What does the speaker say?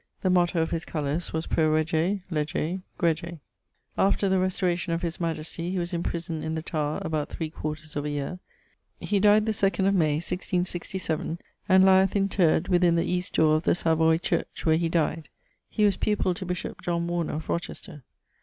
The motto of his colours was, Pro Rege, Lege, Grege. After the restauration of his majestie he was imprisoned in the Tower about three quarters of a yeare. He died the 2d of May, 1667, and lieth interred within the east dore of the Savoy church, where he dyed. He was pupill to bishop Warner, of Rochester.